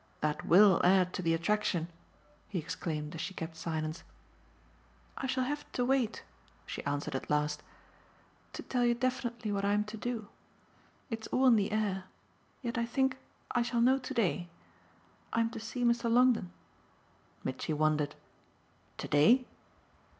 That WILL add to the attraction!" he exclaimed as she kept silence. "I shall have to wait," she answered at last, "to tell you definitely what I'm to do. It's all in the air yet I think I shall know to day. I'm to see Mr. Longdon." Mitchy wondered. "To day?"